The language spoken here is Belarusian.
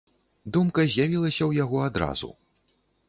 Думка з'явілася ў яго адразу.